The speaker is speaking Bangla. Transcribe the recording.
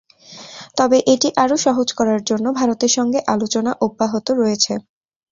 তবে এটি আরও সহজ করার জন্য ভারতের সঙ্গে আলোচনা অব্যাহত রয়েছে।